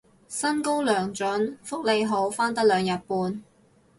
薪高糧準福利好返得兩日半